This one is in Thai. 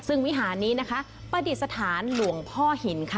ซึ่งวิหารนี้นะคะประดิษฐานหลวงพ่อหินค่ะ